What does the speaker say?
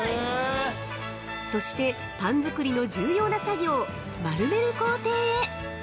そして、パン作りの重要な作業、丸める工程へ。